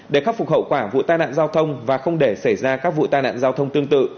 để khắc phục hậu quả vụ tai nạn giao thông và không để xảy ra các vụ tai nạn giao thông tương tự